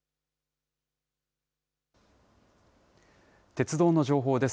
鉄道の情報です。